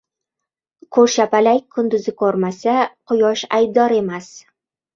• Ko‘rshapalak kunduzi ko‘rmasa, Quyosh aybdor emas.